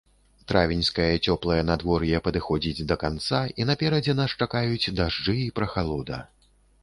Травеньскае цёплае надвор'е падыходзіць да канца, і наперадзе нас чакаюць дажджы і прахалода.